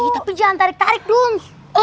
tapi jangan tarik tarik dong